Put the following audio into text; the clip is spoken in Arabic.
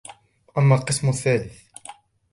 وَأَمَّا الْقِسْمُ الثَّالِثُ